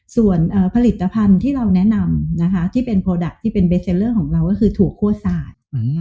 ส่วนผลิตภัณฑ์ที่เราแนะนำนะคะที่เป็นโปรดักต์ที่เป็นเบสเทลเลอร์ของเราก็คือถั่วโคตรสาด